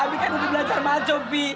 abi kan udah belajar maco fi